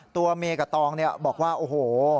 ตัวเมกะตองบอกว่าโอ้โห